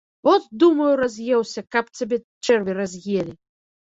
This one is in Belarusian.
От, думаю, раз'еўся, каб цябе чэрві раз'елі!